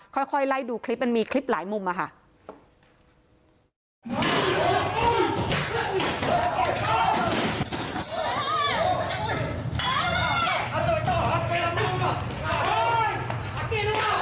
ค่อยไล่ดูคลิปมันมีคลิปหลายมุมอะค่ะ